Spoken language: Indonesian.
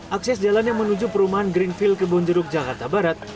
akses jalan yang menuju perumahan greenfill ke bonjeruk jakarta barat